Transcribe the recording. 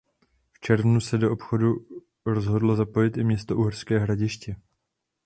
V červnu se do obchodu rozhodlo zapojit i město Uherské Hradiště.